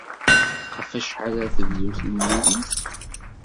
Ɣef wacḥal ara tebdu temlilit?